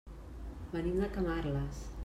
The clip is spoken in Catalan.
Venim de Camarles.